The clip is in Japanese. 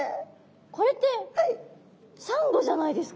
これってサンゴじゃないですか？